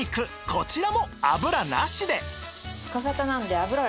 こちらも油なしで！